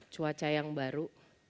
cuaca yang baru